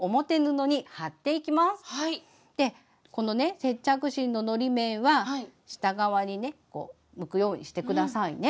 このね接着芯ののり面は下側にね向くようにして下さいね。